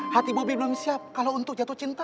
hati bobi belum siap kalo untuk jatuh cinta